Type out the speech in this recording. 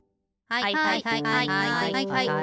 はいはいはい。